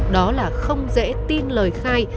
đó là không dễ tin lời khai